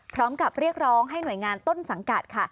พร้อมกับเรียกร้องให้หน่วยงานต้นสังกัดค่ะ